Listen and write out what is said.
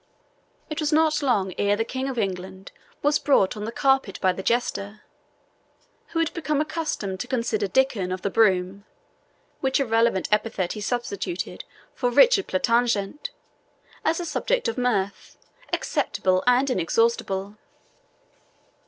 It was not long ere the King of England was brought on the carpet by the jester, who had been accustomed to consider Dickon of the Broom (which irreverent epithet he substituted for Richard Plantagenet) as a subject of mirth, acceptable and inexhaustible.